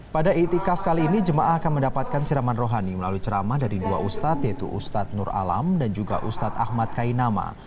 pada itikaf kali ini jemaah akan mendapatkan siraman rohani melalui ceramah dari dua ustadz yaitu ustadz nur alam dan juga ustadz ahmad kainama